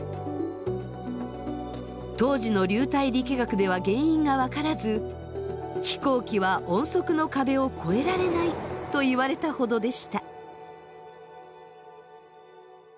当時の流体力学では原因が分からず飛行機は音速の壁を越えられないと言われたほどでした。